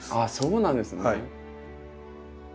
あそうなんですね。